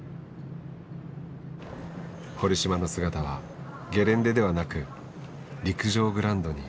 堀島の姿はゲレンデではなく陸上グラウンドにあった。